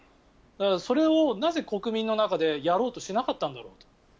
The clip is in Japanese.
それをなぜ、国民の中でやろうとしなかったんだろうと。